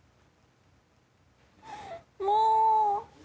もう。